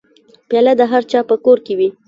پیاله د هرچا په کور کې وي.